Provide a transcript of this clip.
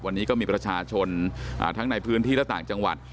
วันนี้ก็มีประชาชนทั้งในพื้นที่และต่างจังหวัด